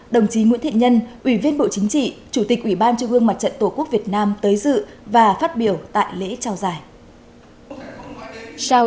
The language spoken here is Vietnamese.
đồng chí nguyễn thiện nhân ủy viên bộ chính trị chủ tịch ủy ban trung ương mặt trận tổ quốc việt nam tới dự và phát biểu tại lễ trao giải